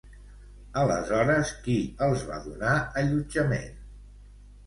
Aleshores, qui els va donar allotjament?